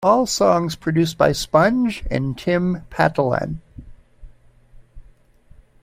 All songs produced by Sponge and Tim Patalan.